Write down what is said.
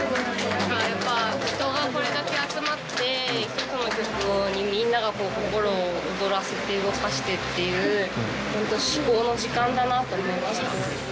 やっぱ人がこれだけ集まって１個の曲にみんなが心を躍らせて動かしてっていうホント至高の時間だなって思いました。